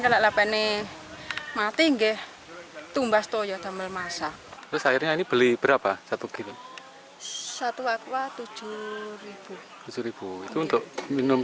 sejak pagi warga sudah mengantri dengan bantuan air minum